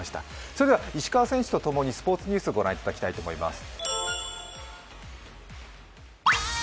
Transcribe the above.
それでは石川選手と共に、スポーツニュースをご覧いただきたいと思います。